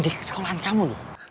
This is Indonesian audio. di sekolahan kamu